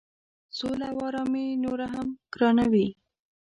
سوله او آرامي نوره هم ګرانوي.